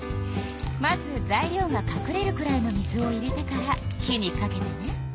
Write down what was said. まず材料がかくれるくらいの水を入れてから火にかけてね。